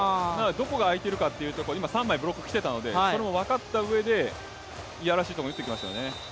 どこが空いているのかというのを、今三枚ブロックが来ていたのでそれを分かったうえでいやらしいところに打ってきましたよね。